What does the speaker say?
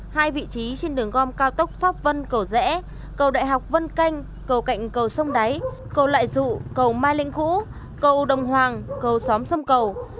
hai vị trí trên đường gom cao tốc pháp vân cầu rẽ cầu đại học vân canh cầu cạnh cầu sông đáy cầu lại dụ cầu mai linh cũ cầu đồng hoàng cầu xóm sông cầu